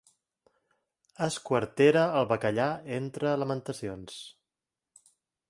Esquartera el bacallà entre lamentacions.